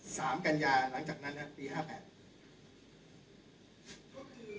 สามกัญญาหลังจากนั้นครับปีห้าแปด